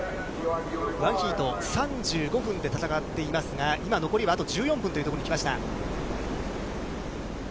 １ヒート３５分で戦っていますが、今、残りはあと１４分というところにきました。